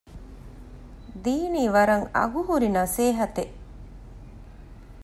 ދިނީ ވަރަށް އަގުހުރި ނަސޭހަތެއް